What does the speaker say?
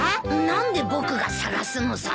何で僕が探すのさ？